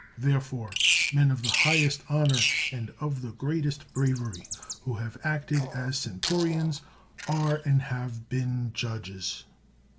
There fore, men of the highest honor and of the greatest bravery, who have acted as centurions, are and have been judges.